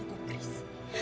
belum kamu kupris